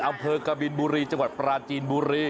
อำเภอกบินบุรีจังหวัดปราจีนบุรี